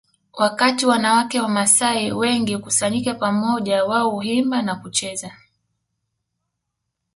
Wakati wanawake wamasai wengi hukusanyika pamoja wao huimba na kucheza